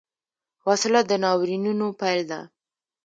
وسله د ناورینونو پیل ده